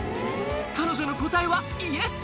彼女の答えはイエス！